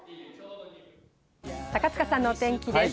高塚さんの天気です。